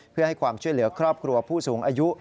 เพื่อให้ความช่วยเหลือครอบครัวผู้สูงอายุ